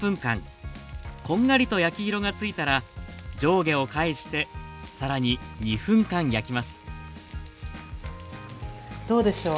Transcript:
こんがりと焼き色がついたら上下を返してさらに２分間焼きますどうでしょう？